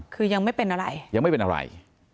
คือยังไม่เป็นอะไรยังไม่เป็นอะไร